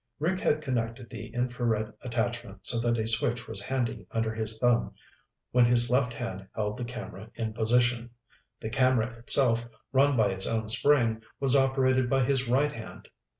Rick had connected the infrared attachment so that a switch was handy under his thumb when his left hand held the camera in position. The camera itself, run by its own spring, was operated by his right hand.